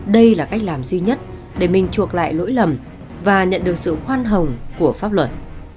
đây là cách làm duy nhất để mình chuộc lại lỗi lầm và nhận được sự khoan hồng của pháp luật